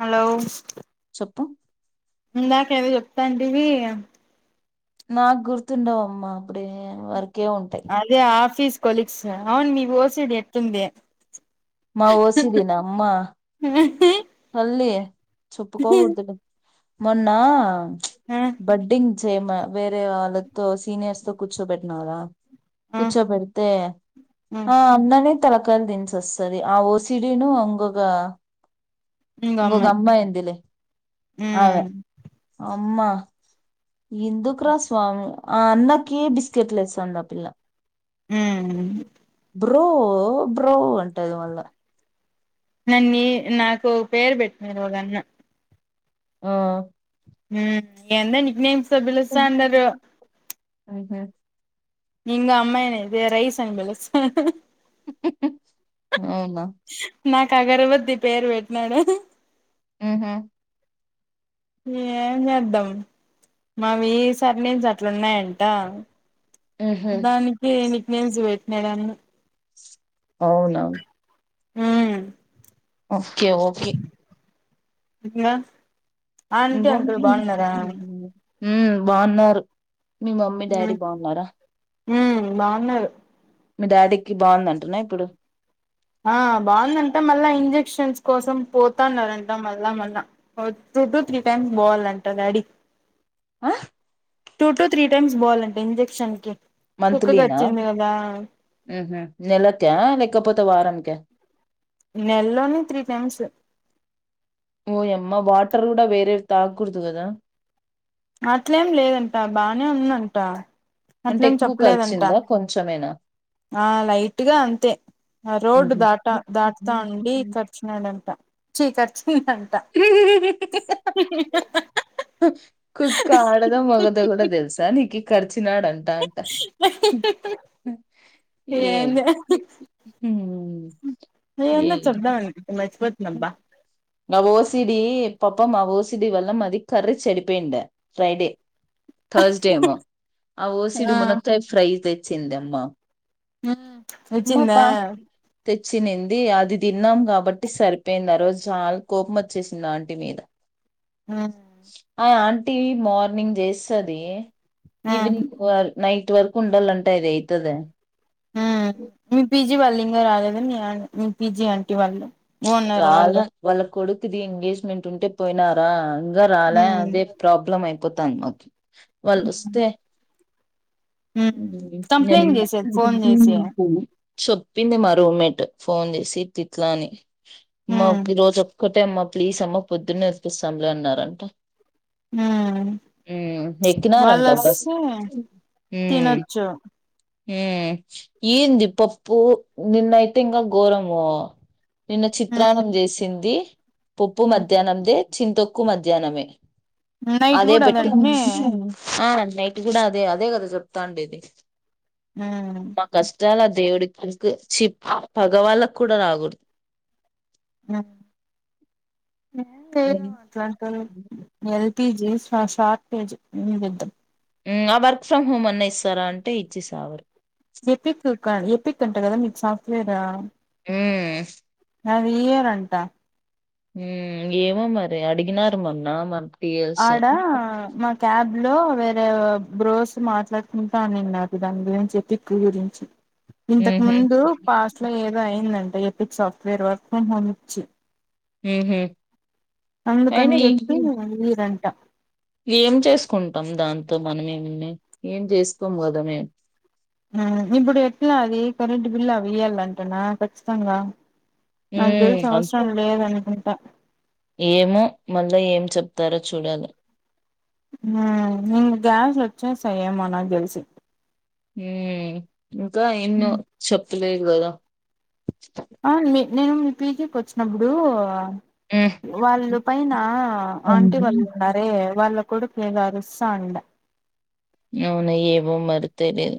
Hello మొత్తం ఇందాక ఏదో చెప్తాంటవి మాకు గుర్తుండవమ్మా అప్పుడ వర్క్ అదే ఆఫీస్ కొలిక్స్ అవును మీ ఓసిడ్ ఎట్లుంది మా ఓసిదీ దాని అమ్మా అల్లి చెప్పుకోకూడదు మొన్న ఆ బడ్డింగ్ చేమ్ వేరే వాళ్ళతో సీనియర్స్ తో కూర్చోబెట్నా కదా ఆ కూర్చోబెడితే ఆ ఉండని తలకయల్ దించొస్తది ఆ ఓసిడీనూ ఇంకొకా ఇంగో ఇంగొక అమ్మాయి అమ్మాయుందిలె ఆవే. ఉమ్ అమ్మా యెన్దుకు రా స్వామి ఆ అన్నకి బిస్కెట్లేస్తుందా పిల్ల. మ్మ్ బ్రో బ్రో అంటది మళ్ల. నన్నీ నాకో పేరు పెట్టినడు వాళ్ళన్న. ఆ మ్మ్ అందరు నిక్ నేమ్స్ తో భిలుస్తా ఉండరు. ఉహా ఇంగ అమ్మాయినయితే రైస్ అని బిలుస్ అవున కాగరవత్తి పేరు పెట్టినాడు. ఉహు యేం చేద్దం. మావీ సర్ నేమ్స్ అట్లున్నయంటా. హుహు. దానికి నిక్ నేమ్స్ పెట్నాడన్న. అవున. ఉమ్ ఓకే ఓకే [unintelligible] అంకుల్ బాగున్నారా [unintelligible] మ్మ్ బావున్నారు. మీ మమ్మీ డాడీ బావున్నారా. మ్మ్ బావున్నారు. మీ డాడీకి బావుందంటనా ఇప్పుడు. ఆ బావుందంట మళ్ల ఇంజక్షన్స్ కోసం పోతన్నారంట మళ్ళ మళ్ళ. టూ టు త్రీ టైమ్స్ బోవలంట డాడి. ఆ త్రీ టైమ్స్ బోవాలంట ఇంజెక్షన్ కి కుక్కకి మంత్లీనా వచ్చింది కదా ఊహు నెలకా లేకపోతే వారనిక. నెల్లోని త్రీ టైమ్స్. ఓయమ్మ వాటర్ కూడా వేరేది తాగకూడదు గదా. అట్లేం లేదంట బానే ఉందంటా. అంటే ఎక్కువ కర్చిందా కొంచమేనా. ఆ లైట్గా అంతె. ఆ రోడ్డు మ్హూ. దాట దాట్తా ఉండి కర్చినాడంట. ఛీ కర్చిందంట. కుక్క ఆడదో మగదో కూడా తెలుసా నీకి కర్చినాడంట అంట. యేం ఏందో హు ఏదన్న చెబ్దామని మర్చిపోత్నాన్బ. అవోసిడి పాపం ఆవోసిడి వల్ల మాది కర్రీ చెడిపోయిండ ఫ్రైడే. థర్స్ డే ఏమో ఆ ఓసిడి మనక్కాయ్ ఫ్రై తెచ్చింద అమ్మా. మ్మ్ ఒచ్చిందా. తెచ్చినింది అది తిన్నాం గాబట్టి సరిపేయింది ఆ రోజు చాల కోప్మోచ్చేసింది ఆంటి మీద. ఆ ఆ ఆంటీ మార్నింగ్ జేస్తది ఆ ఈవినింగ్ వాల్ నైట్ వరకు ఉండాలంటె అది అయితద. మ్మ్ మీ పీజీ వాళ్ళు ఇంకా రాలేదు మీ మీ పీజీ ఆంటీ వాళ్ళు. ఓనర్ రాల వాళ్ళు వాళ్ళ కొడుకుది ఎంగేజ్మెంట్ ఉంటె పోయినారా ఇంక రాలా మ్ అదే ప్రాబ్లం అయిపోతంది మాకి వాళ్లోస్తే మ్ కంప్లైంట్ చేసేది ఫోన్ చేసి [unintelligible] చెప్పింది మా రూమ్మేట్ ఫోన్ చేసి ఇట్లిట్ల అని మా మ్ ఈ రోజు ఒకటే అమ్మా ప్లీస్ అమ్మ పొద్దున్న ఒప్పిస్తాం అన్నారంట మ్ ఉమ్ వాల్ ఎక్కినారంట బస్ వొస్తే తినచ్చు మ్ ఏంది పప్పు నిన్నయితే ఇంక గోరము నిన్న చిత్రాన్నం చేసింది పప్పు మ్ మధ్యాహ్నదే చింతొక్కు మధ్యాహ్నమే నైట్ అదే కూడా పెట్టు అదంట్నే ఆ నైట్ కూడా అదే అదే కదా చెప్తాండేది మ్ చాలా దేవుడికి ఇప్ చిప్ పగవాళ్ళకు కూడా రాకూడదు ఏం లేదు మ్మ్ అట్లాంటోలకి పిజీ షా షార్ట్ పేజ్ ఏం చేద్దాం ఆ వర్క్ ఫ్రమ్ హోమ్ అన్న ఇస్తారా అంటే ఇచ్చి సావరు ఎపిక్ ఎపిక్ అంట కదా మీకు సాఫ్ట్వేర్ ఊ మ్ అది ఇయరంట హు ఏమో మరి అడిగినారు మొన్న మన పిఎల్స్ ఆడా మా క్యాబ్ లో వేరే బ్రోస్ మాట్లాడుకుంటానిన్నారు దాని గురించి చెప్పి ఎపిక్ గురించి ఇంతకు మ్మ్ ముందు పాస్ట్ లో ఏదో అయిందంట epic software work from home ఇచ్చి ఉమ్ హూ అందుకని అయినా చెప్పి ఇయ్యరంట ఏం చేసుకుంటాం దాం తో మనం ఏం చేసుకోం కదా మేము హా ఇప్పుడు ఎట్లా అది కరెంట్ బిల్ అవి ఇయ్యాలంటనా ఖచ్చితంగా నాకు తెలిసి హు అవసరం లేదనుకుంటా ఏమో మళ్ళా ఏం చెప్తారో చూడాలి హు ఇంగ గ్యాస్ లు వచ్చేసాయేమో నాకు తెలిసి హు ఇంకా ఎన్నో చెప్పలేదు కదా ఆ నేను మీ పిజికి వచ్చినప్పుడు వాళ్ళు పైన ఆంటీ వాళ్ళు ఉన్నారే వాళ్ళ కొడుకు ఏదో అరుస్తండ అవున ఏవో మరి తెలీదు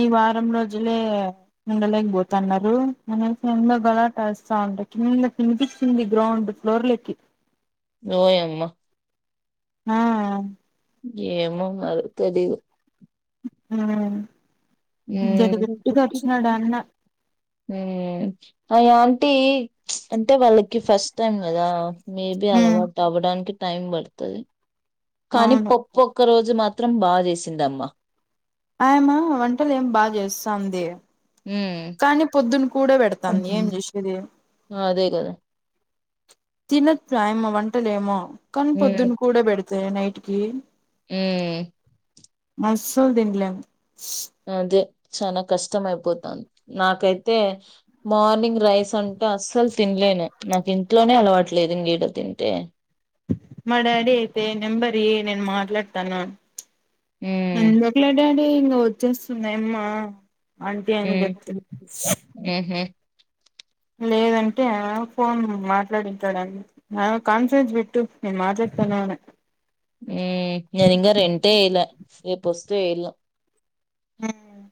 ఈ వారం రోజులే ఉండలేకపోతున్నారు మన సెందో గలాటా అంట కిందకి వినిపించింది గ్రౌండ్ ఫ్లోర్లకి ఓయమ్మ మ్ ఏమో మరి తెలిదు ఉమ్ ఉమ్ మ్ ఆ యాం టి అంటే వాళ్ళకి ఫస్ట్ టైమ్ కదా మేబి హ్మ్ అలవాటు అవ్వడానికి టైం పడుతది కానీ అవును ఒక్క రోజు మాత్రం బాగా చేసింది అమ్మ ఆయమా వంటలు ఏం బా చేస్తాంది హ్మ్ కానీ పొద్దున్న కూడా పెడతాంది ఏం చేషేది అదే కదా తినచ్చు ఆయమ వంటలేమో కని పొద్దున్న కూడే పెడితే నైట్ కి మ్ మస్సలు తిన్లెం అదే చాల కష్టం అయిపోతాంది నాకైతే మార్నింగ్ రైస్ అంటే అస్సలు తినలే నేను నాకు ఇంట్లోనే అలవాట్లేదు ఇంగీడ తింటే మా డాడీ అయితే, నెంబరీ నేను మాట్లాడతానన్ను. హ్మ్ అందుకులే, డాడీ. ఇగ వచ్చేస్తుదాయమ్మా. ఆంటీ, ఏం హ్మ్ చెప్తే? ఊహూ లేదంటే, ఆ ఫోన్ మాట్లాడించాడున్ని ఆ కాన్ఫ్యూస్ పెట్టు, నేను మాట్లాడి. ఫోన్ ననే? నీ నేను, ఇగ రెంట్‌ వేయాలే. రేపు వస్తే, వేయాలా? మ్మ్.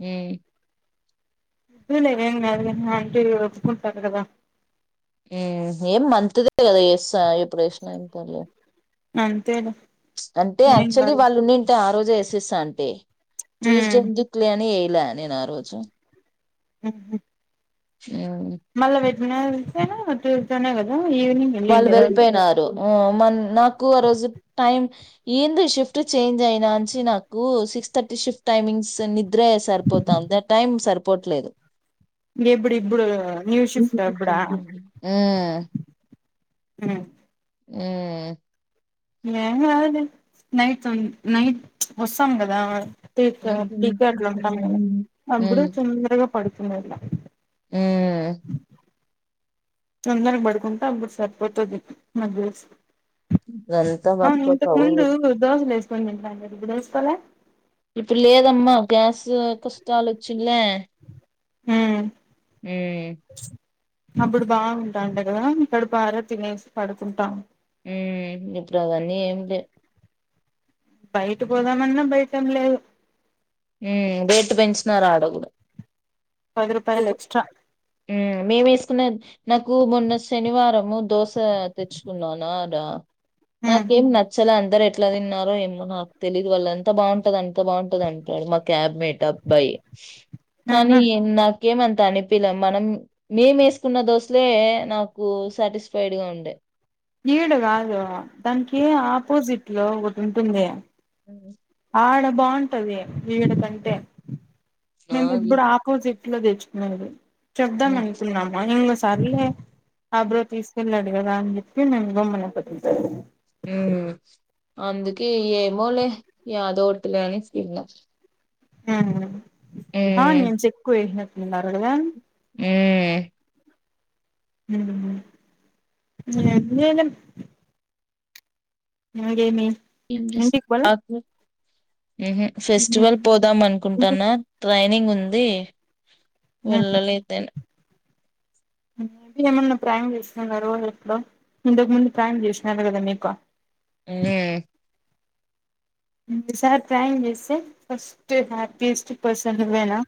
ఉమ్మ్. ఇదు లేవే, ఏం కాదు గానీ, ఆంటీ ఒప్పుకుంటారు కదా? మ్, ఏం మంతుదే కదా. ఎస్తా, ఎప్పుడు వేసినా ఏం పర్లే. అవును. అంటే యాక్చువల్లీ వాళ్లు ఉండుంటే, ఆ రోజు వేసేసు ఆంటీ. ట్యూస్డే ఉమ్ ఎందుకులే అని, వేయలా నేను ఆ రోజు. మ్మ్హు. ఏవుది? నిన్న వెన్స్‌డేనా, థర్స్‌డేనే కదా? ఈవినింగ్ వాళ్లు వెళ్ళిండేది వాళ్ళు వెళ్లిపోయినారు. ఊం మన్, నాకు ఆ రోజు టైమ్ ఏదో. ఈ షిఫ్ట్ చేంజ్ అయినాంచి నాకు సిక్స్ థర్టీ. షిఫ్ట్ టైమింగ్స్ నిద్రే సరిపోతాది. దా టైమ్ సరిపోవట్లేదు. ఎప్పుడు ఇప్పుడు న్యూ షిఫ్ట్ [inaudible] అప్పుడా మ్మ్. మ్. ఉమ్. ఏం గాదులే, నైట్ టైమ్ నైట్ వస్తాం కదా. త్రీకా, ఉమ్ త్రీకే అట్లా ఉంటాం. మేము ఉమ్ అబుడే ఉమ్. చిన్నగా పడుకునేది. ఉమ్మ్. తొందరగ పడుకుంటే అబ్బడు సరిపోతాది, నాకు తెలిసి. ఇదంతా అవును, వర్కౌట్ ఇంతకు ముందు అవ్వదు దోశలు వేసుకొని తింటా అన్నారు. ఇప్పుడు ఏసుకోలే. ఇప్పుడు లేదమ్మా, గ్యాస్ కష్టాలు వచ్చుడలే. ఉమ్ ఉమ్మ్. అప్పుడు బాగుంటాండే గదా! కడుపారా తినేసి పడుకుంటాం. ఉమ్, ఇప్పుడు అవన్నీ ఏమీలే. బయటిక్ పోదామన్నా, బయటే ఏంలేదు. ఉమ్, బేట్ పెంచినారు. ఆడ గూడా. పది రూపాయలు ఎక్స్‌ట్రా. ఉమ్, మేము వేసుకున్నాం. నాకు మొన్న శనివారము దోశ తెచ్చుకున్నానరా. ఉమ్ నాకేం నచ్చాల అంతా. ఇద్దరు ఎట్లా తిన్నారో ఏమో, నాకు తెలీదు. వాళ్ళ అంత బాగుంటది, అంత బాగుంటది అంటాడు మా క్యాబ్ మేట అబ్బాయి. కానీ, ఆహా ఈయి నాకేమంత అనిపిలే. మనం మేము ఏసుకున్న దోశలే, నాకు సాటిస్ఫైడ్‌గా ఉండే. ఈడ గాదు, దానికి ఆపోజిట్ లో ఒటి ఉంటుంది. ఆడ బాగుంటది. వీడ కంటే, ఆ మేము ఈ- ఇప్పుడు ఆపోజిట్. ఇంట్లో తెచ్చుకునేది చెప్పుదాం అనుకున్నామా. ఇగ సర్లె, ఆ బ్రో తీసుకెళ్లాడు. తెల్వదా అని జెప్పి, మేమే గమ్మున కొచ్చేసాం. మ్. అందుకే ఏమోలే, ఏయాదో తీలే అనేసి తిన్న. మ్, ఆ నేను చెక్కు వేసి [unintelligible] మ్మ్.. మ్. [unintelligible] ఇగేమీ? ఏం చేస్తం, ఆగు. ఫెస్టివల్ పోదాం అనుకుంటాన్నా ట్రైనింగ్ ఉంది వెళ్ళలేతేనే ది ఏమన్నా ప్రయాణ చేస్తున్నారు ఎఫ లో ఇంతకు ముందు ప్రయాణ చేస్తున్నారు కదా మీకు మ్మ్ ఇంకోసారి ప్రాంక్ చేస్తే ఫస్ట్ హ్యాపీయెస్ట్ పర్సన్వేనా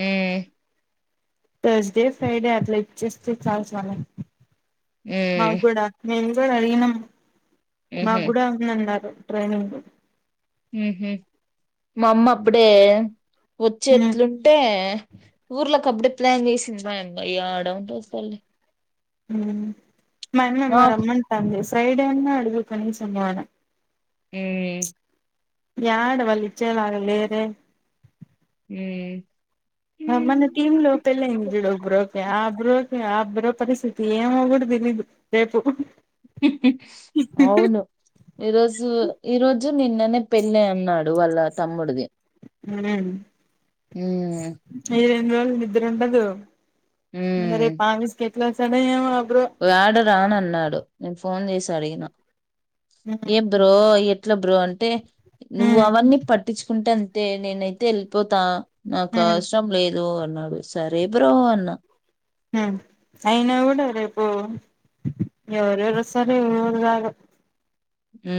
ఏ టర్స్డే ఫ్రాడే ఆలా ఇచ్చస్త చాలల్స్ మాకు మ్మ్ కూడా మేము కూడా అడిగినం మాకు మ్హు కూడా ఉంది అందన్నారు ట్రైనింగ్ ఉహ మా అమ్మ అప్పుడే మ్మ్ వచ్చేట్లుంటే ఊర్లోకీఅబడే ప్లాన్ చేసింది ఆడన్ రోజల్ మ అమ్మమ్మ నాకు రమ్మన్ంటాంది ఫైడే ఉన్నా అడుగు కనీసము అని అన ఏ యడ వళ్ళ ఇచ్చేలుగలేరే అ మొన్న టివి లో పళ్ల అయేది చూడు టీ ఆబ్ బ్ర ఆబ్ బ్ర పరిస్థితి ఏమో కూడా తెలీదు ఎదు అవును ఈరోజు ఈరోజు నిన్ననే పెళ్ళి అన్నాడు వల్ల తమ్ముడిది హ్మ్ హ నపుట్టిన రోజుకి నిడ్రా ఉనడాడు ఇంగ మ్మ్ రేపు ఆఫీస్ కీ ఎట్టల వస్తాడో ఏమో బ్రో యాడ రాడు అన్నాడు నేను ఫోన్ చేసి అడిగిన ఏతి బ్రో ఎట్ల బ్రో అంటే నువ్వు అవన్నీ పట్టించుకుంటే అంతే నేనైతే వెళ్ళిపోతా నాకు అవసరం లేదు అన్నాడు సరే బ్రో అన్నా అయినా కూడా రేపు ఎవరేవరు వస్తారో ఎవరు రారో ఉ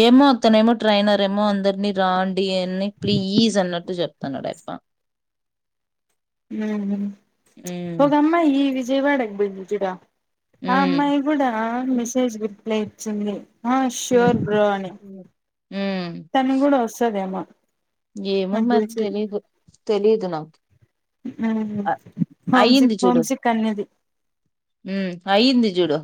ఏమో అతనే ఏమో ట్రైనర్ ఏమో అందరినీ రా అని ప్లీజ్ అన్నట్టు చెప్తాన్నాడయబ హ ఒక అమ్మా ఈ విజయవాడకి పోయేది చూడు ఆ మ్మ్ అమ్మాయి కూడా మిసేజ్ కీ రిప్లయ్ ఇచ్చింది ఆ మ్మ్ ష్యూర్ బ్రో అని మ్మ్ తను కూడా వస్తుందేమో ఏమో మరి తెలీదు తెలిదు నాకు అ- హోంసిక్ అయ్యింది చూడు హోంసిక్ అనేది ఆయింది జూడు